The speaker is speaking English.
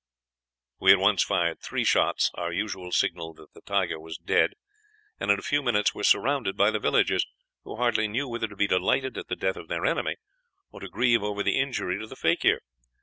"We at once fired three shots, our usual signal that the tiger was dead, and in a few minutes were surrounded by the villagers, who hardly knew whether to be delighted at the death of their enemy, or to grieve over the injury to the fakir.